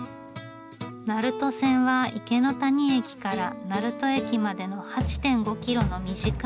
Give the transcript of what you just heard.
鳴門線は池谷駅から鳴門駅までの８．５キロの短い路線。